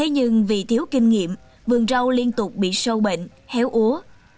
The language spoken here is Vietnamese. nhưng vì thiếu kinh nghiệm vườn rau liên tục bị sâu bệnh héo úa